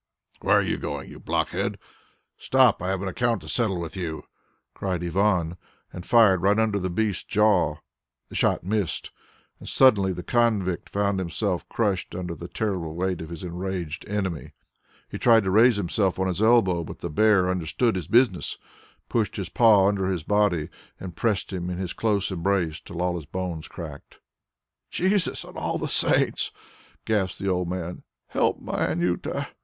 "Where are you going, you blockhead? Stop, I have an account to settle with you," cried Ivan, and fired right under the beast's jaw. The shot missed, and suddenly the convict found himself crushed under the terrible weight of his enraged enemy. He tried to raise himself on his elbow, but the bear understood his business, pushed his paw under his body, and pressed him in his close embrace till all his bones cracked. "Jesus and all the saints," gasped the old man. "Help my Anjuta."